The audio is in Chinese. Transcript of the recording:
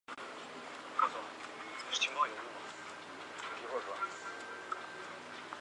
研究化学振荡对于解释自组织及混沌科学的规律具有十分重要的作用。